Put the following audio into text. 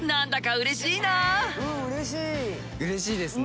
うれしいですね。